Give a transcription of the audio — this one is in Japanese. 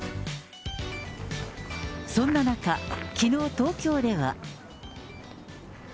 そんな中、きのう、東京では。